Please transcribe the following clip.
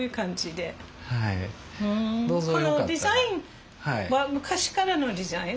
このデザインは昔からのデザイン？